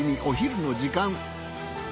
お昼の時間。